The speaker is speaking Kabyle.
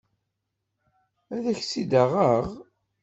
Ad ak-tt-id-aɣeɣ.